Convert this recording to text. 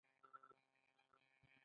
موزیک د زېږون جشن ته خوند ورکوي.